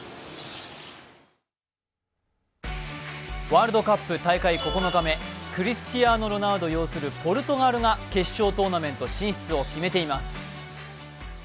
ワールドカップ大会９日目、クリスチアーノ・ロナウド擁するポルトガルが決勝トーナメント進出を決めています。